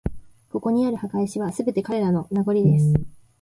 ここにある墓石は、すべて彼らの…名残です